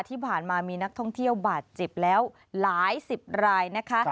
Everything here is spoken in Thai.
ที่ผ่านมามีนักท่องเที่ยวบาดเจ็บแล้วหลายสิบรายนะคะ